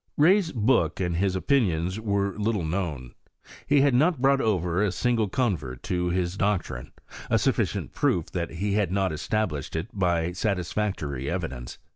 Rey'a book and his opinions were little known. He had not brought over a single convert to his doctrine, a sufficient proof that he had not esta blished it by satisfactory evidence.